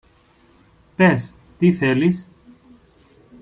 Πες, τι θέλεις;